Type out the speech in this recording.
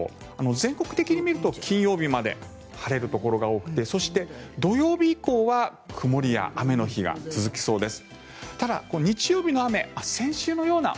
全国的にみると金曜日まで晴れるところが多くてそして、土曜日以降は曇りや雨の日が続きそうです。